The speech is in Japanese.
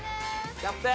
キャプテン！